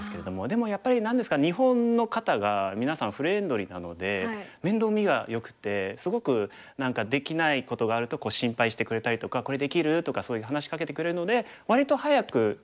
でもやっぱり何ですか日本の方がみなさんフレンドリーなので面倒見がよくてすごく何かできないことがあると心配してくれたりとか「これできる？」とかそういう話しかけてくれるので割と早く日本の環境には慣れましたね。